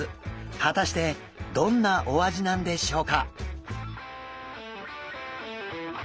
果たしてどんなお味なんでしょうか？